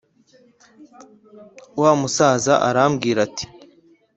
Wa musaza aramubwira ati: